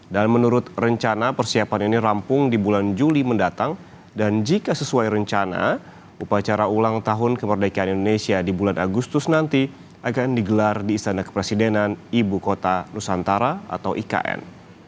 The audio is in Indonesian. dan menurut rencana persiapan ini rampung di bulan juli mendatang dan jika sesuai rencana upacara ulang tahun kemerdekaan indonesia di bulan agustus nanti akan digelar di istana kepresidenan ibu kota nusantara atau ikn